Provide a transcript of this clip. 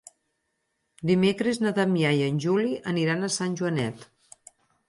Dimecres na Damià i en Juli aniran a Sant Joanet.